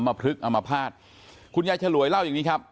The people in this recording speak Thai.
อัมพฤษอัมพาสคุณยายฉลวยเล่าอย่างนี้ครับ